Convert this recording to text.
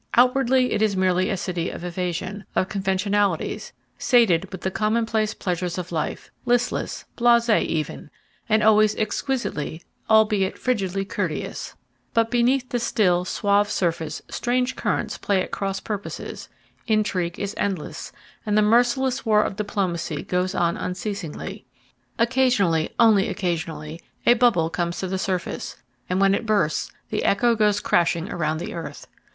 Outwardly it is merely a city of evasion, of conventionalities, sated with the commonplace pleasures of life, listless, blasé even, and always exquisitely, albeit frigidly, courteous; but beneath the still, suave surface strange currents play at cross purposes, intrigue is endless, and the merciless war of diplomacy goes on unceasingly. Occasionally, only occasionally, a bubble comes to the surface, and when it bursts the echo goes crashing around the earth.